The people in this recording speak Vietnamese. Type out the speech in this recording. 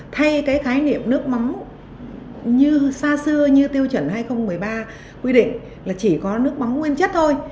thay cái khái niệm nước mắm như xa xưa như tiêu chuẩn hai nghìn một mươi ba quy định là chỉ có nước mắm nguyên chất thôi